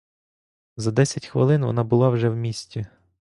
За десять хвилин вона була вже в місті.